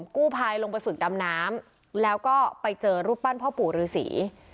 กู้ภัยลงไปฝึกดำน้ำแล้วก็ไปเจอรูปปั้นพ่อปู่ฤษี